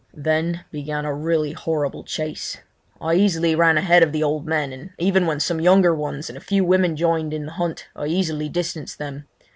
Then began a really horrible chase. I easily ran ahead of the old men, and even when some younger ones and a few women joined in the hunt I easily distanced them.